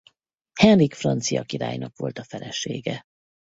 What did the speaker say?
Henrik francia királynak volt a felesége.